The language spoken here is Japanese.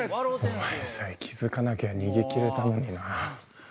お前さえ気付かなきゃ逃げ切れたのにな。